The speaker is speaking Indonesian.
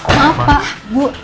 maaf pak bu